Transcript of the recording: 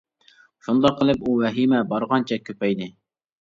شۇنداق قىلىپ ئۇ ۋەھىمە بارغانچە كۆپەيدى.